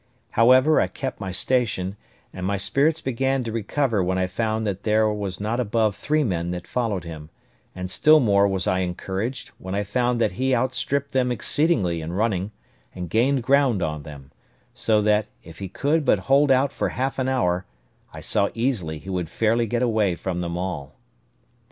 However, I kept my station, and my spirits began to recover when I found that there was not above three men that followed him; and still more was I encouraged, when I found that he outstripped them exceedingly in running, and gained ground on them; so that, if he could but hold out for half an hour, I saw easily he would fairly get away from them all.